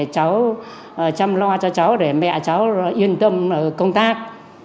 cháu chăm lo cho cháu để mẹ cháu yên tâm công tác